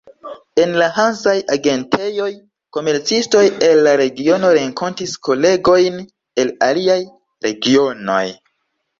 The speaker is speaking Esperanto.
En la hansaj agentejoj komercistoj el la regiono renkontis kolegojn el aliaj regionoj.